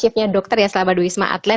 shiftnya dokter ya selama di wisma atlet